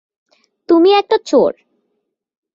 তুমি একটা চোর।